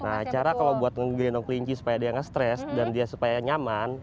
nah cara kalau buat ngegendong kelinci supaya dia nge stres dan dia supaya nyaman